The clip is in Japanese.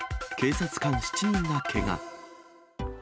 警察官７人がけが。